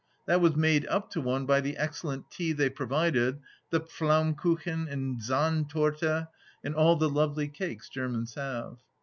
That was made up to one by the excellent tea they provided, the Pfiaum kuchen and Sand torte, and all the lovely cakes Germans have.